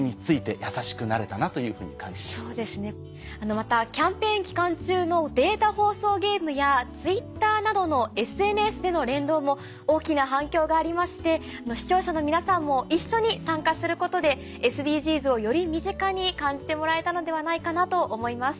またキャンペーン期間中のデータ放送ゲームやＴｗｉｔｔｅｒなどのＳＮＳでの連動も大きな反響がありまして視聴者の皆さんも一緒に参加することでＳＤＧｓをより身近に感じてもらえたのではないかなと思います。